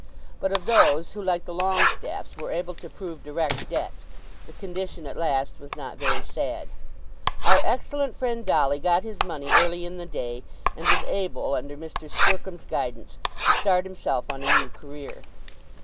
But of those who, like the Longestaffes, were able to prove direct debts, the condition at last was not very sad. Our excellent friend Dolly got his money early in the day, and was able, under Mr. Squercum's guidance, to start himself on a new career.